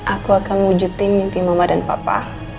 aku akan wujudkan mimpi mama dan papa